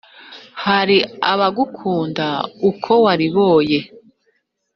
hari abagukunda uko wariboye